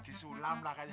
di sini pak